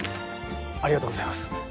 ありがとうございます。